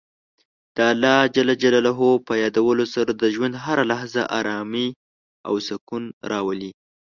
د الله په یادولو سره د ژوند هره لحظه ارامۍ او سکون راولي.